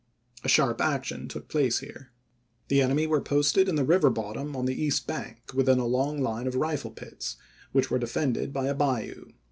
A sharp action took place here. The enemy were posted in the river bottom on the east bank within a long line of rifle piis, which were defended by a bayou.